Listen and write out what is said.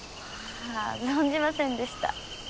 まあ存じませんでした。